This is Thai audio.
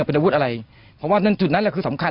เป็นอาวุธอะไรเพราะว่านั่นจุดนั้นแหละคือสำคัญ